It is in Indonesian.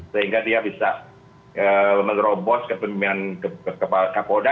sehingga dia bisa menerobos kepemimpinan kapolda